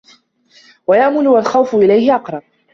وَيَأْمُلُ وَالْخَوْفُ إلَيْهِ أَقْرَبُ